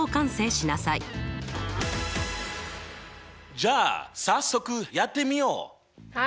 じゃあ早速やってみよう！